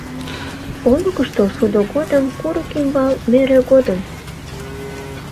Олыкышто шудо годым, курык ӱмбал мӧрӧ годым